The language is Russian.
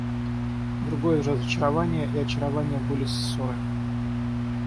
Другое разочарование и очарование были ссоры.